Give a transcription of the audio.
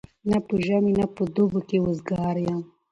نه په ژمي نه په دوبي کي وزګار وو